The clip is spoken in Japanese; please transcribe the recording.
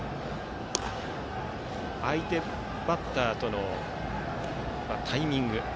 相手バッターとのタイミング。